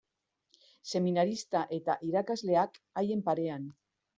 Seminarista eta irakasleak haien parean.